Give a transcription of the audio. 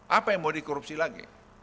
apa yang mau dikorupsi lagi